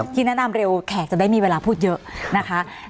ที่แนะนำเร็วแขกจะได้มีเวลาพูดเยอะนะคะ